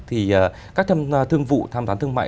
thì các thương vụ tham gián thương mại